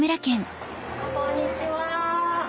こんにちは。